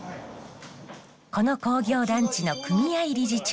この工業団地の組合理事長